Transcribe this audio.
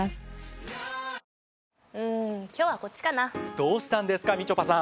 どうしたんですかみちょぱさん。